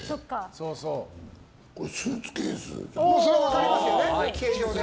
それは分かりますよね。